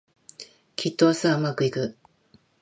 きっと明日はうまくいく